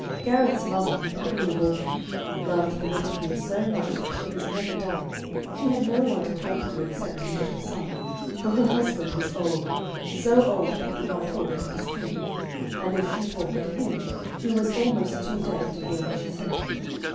Gareth's mother, the Queen of Orkney, loved the little prince so much that she was never dull. She had no one to talk to except her little son, for her husband was old, so old that he could not talk to his Queen. And if she talked to him, he was almost too deaf to hear what she said.